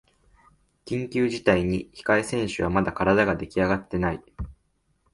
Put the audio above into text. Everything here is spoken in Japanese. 緊急事態に控え選手はまだ体ができあがってない